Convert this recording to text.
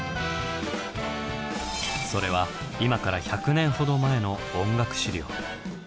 それは今から１００年ほど前の音楽資料。